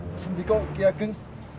tentu saja ki ageng